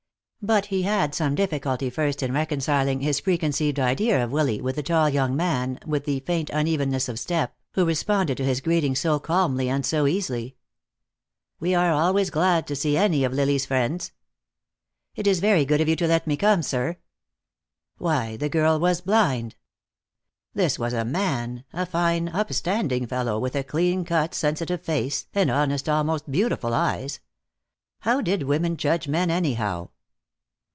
But he had some difficulty first in reconciling his preconceived idea of Willy with the tall young man, with the faint unevenness of step, who responded to his greeting so calmly and so easily. "We are always glad to see any of Lily's friends." "It is very good of you to let me come, sir." Why, the girl was blind. This was a man, a fine, up standing fellow, with a clean cut, sensitive face, and honest, almost beautiful eyes. How did women judge men, anyhow?